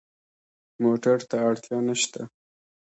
موټر ته اړتیا نه شته.